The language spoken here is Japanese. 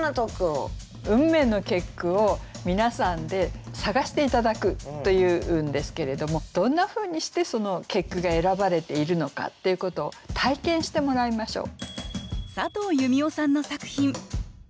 「運命の結句」を皆さんで探して頂くというんですけれどもどんなふうにしてその結句が選ばれているのかっていうことを体験してもらいましょう。